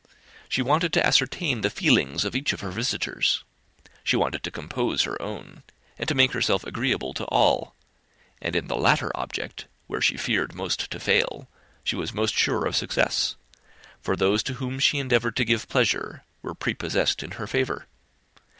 She wanted to ascertain the feelings of each of her visitors, she wanted to compose her own, and to make herself agreeable to all; and in the latter object, where she feared most to fail, she was most sure of success, for those to whom she endeavoured to give pleasure were pre possessed in her favour.